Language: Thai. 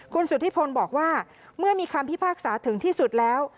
คุณสุธิพลบอกว่าเมื่อมีคำพิพากษาถึงที่สุดแล้ว